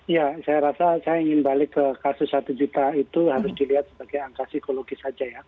ya saya rasa saya ingin balik ke kasus satu juta itu harus dilihat sebagai angka psikologis saja ya